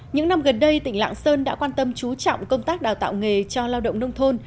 những năm gần đây tỉnh lạng sơn đã quan tâm chú trọng công tác đào tạo nghề cho lao động nông thôn